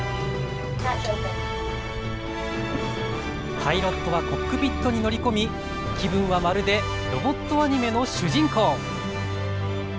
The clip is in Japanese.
パイロットはコックピットに乗り込み、気分はまるでロボットアニメの主人公。